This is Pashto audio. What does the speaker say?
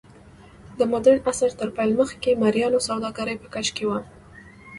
د موډرن عصر تر پیل مخکې مریانو سوداګري په کش کې وه.